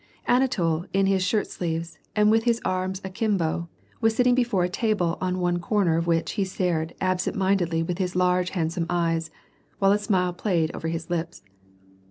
Anatol, in his shirt sleeves, and with his arms akimbo, was sitting before a table on one corner of which he stared absent mindedly with his large handsome eyes, while a smile played over his lips.